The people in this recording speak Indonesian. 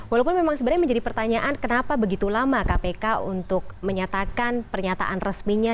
walaupun memang sebenarnya menjadi pertanyaan kenapa begitu lama kpk untuk menyatakan pernyataan resminya